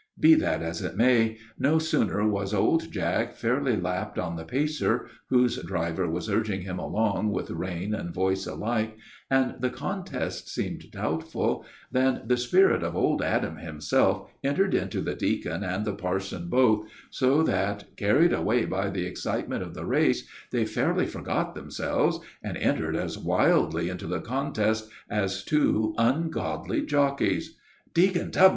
Be that as it may, no sooner was old Jack fairly lapped on the pacer, whose driver was urging him along with reins and voice alike, and the contest seemed doubtful, than the spirit of old Adam himself entered into the deacon and the parson both, so that, carried away by the excitement of the race, they fairly forgot themselves, and entered as wildly into the contest as two ungodly jockeys. [Illustration: THE RACE.] "Deacon Tubman!"